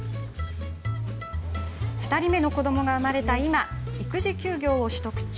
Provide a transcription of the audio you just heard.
２人目の子どもが生まれた今育児休業を取得中。